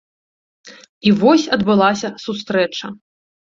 І вось адбылася сустрэча.